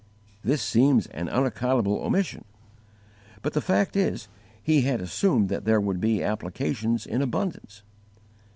This seems an unaccountable omission; but the fact is he had assumed that there would be applications in abundance.